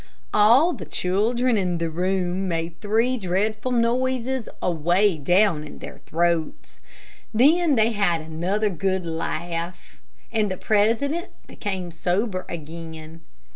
All the children in the room made three dreadful noises away down in their throats. Then they had another good laugh, and the president became sober again.